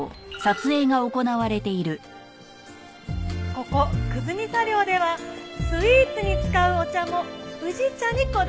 ここ久住茶寮ではスイーツに使うお茶も宇治茶にこだわっているそうです。